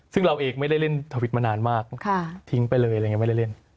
ซึ่งเราเองไม่ได้เล่นทวิตมานานมากทิ้งไปเลยอะไรอย่างนี้ไม่ได้เล่น